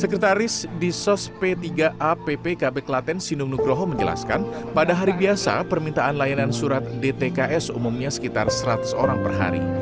sekretaris di sos p tiga a ppkb klaten sinung nugroho menjelaskan pada hari biasa permintaan layanan surat dtks umumnya sekitar seratus orang per hari